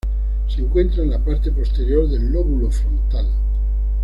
Se encuentra en la parte posterior del lóbulo frontal.